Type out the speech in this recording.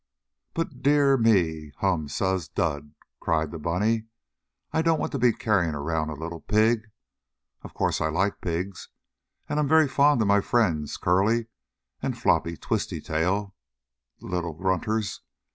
"But dear me hum suz dud!" cried the bunny. "I don't want to be carrying around a little pig. Of course I like pigs, and I'm very fond of my friends Curley and Floppy Twisty tail, the little grunters.